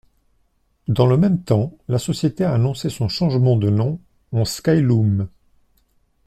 Dans le même temps, la société a annoncé son changement de nom en Skylum.